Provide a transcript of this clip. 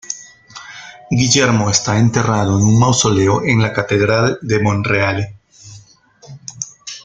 Guillermo está enterrado en un mausoleo en la Catedral de Monreale.